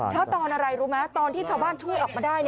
เพราะตอนอะไรรู้ไหมตอนที่ชาวบ้านช่วยออกมาได้